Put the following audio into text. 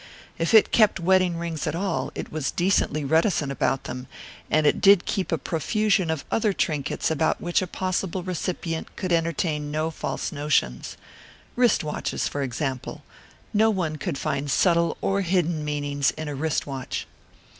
If it kept wedding rings at all, it was decently reticent about them, and it did keep a profusion of other trinkets about which a possible recipient could entertain no false notions. Wrist watches, for example. No one could find subtle or hidden meanings in a wrist watch.